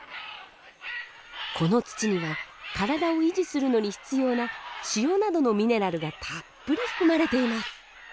この土には体を維持するのに必要な塩などのミネラルがたっぷり含まれています。